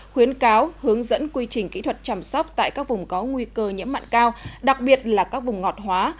khuyến cáo hướng dẫn quy trình kỹ thuật chăm sóc tại các vùng có nguy cơ nhiễm mặn cao đặc biệt là các vùng ngọt hóa